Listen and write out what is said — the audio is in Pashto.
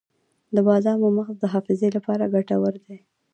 د بادامو مغز د حافظې لپاره ګټور دی.